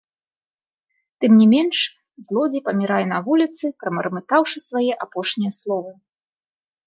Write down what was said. Тым не менш, злодзей памірае на вуліцы, прамармытаўшы свае апошнія словы.